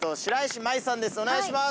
お願いします。